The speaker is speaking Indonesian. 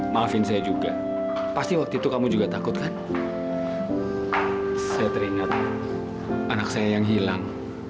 maafin saya juga pasti waktu itu kamu juga takut kan saya teringat anak saya yang hilang